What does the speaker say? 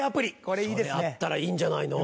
それあったらいいんじゃないの？